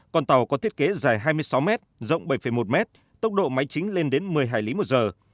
con tàu có thiết kế dài hai mươi sáu mét rộng bảy một m tốc độ máy chính lên đến một mươi hải lý một giờ